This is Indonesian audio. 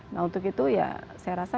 nah untuk itu ya saya rasa